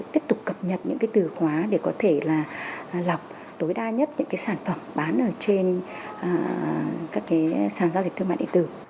tiếp tục cập nhật những cái từ khóa để có thể là lọc tối đa nhất những cái sản phẩm bán ở trên các cái sàn giao dịch thương mại điện tử